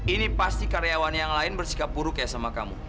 ini pasti karyawan yang lain bersikap buruk ya sama kamu